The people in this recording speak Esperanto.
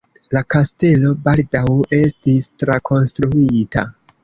La kastelo baldaŭ estis trakonstruita.